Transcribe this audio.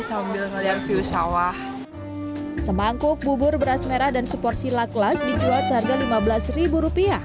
semangkuk bubur beras merah dan seporsi lak lak dijual seharga rp lima belas